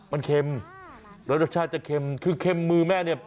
เผ็ดมากใช่ไหม